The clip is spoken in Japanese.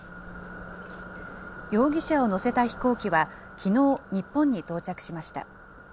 容疑者を乗せた飛行機は、きのう、日本に到着しました。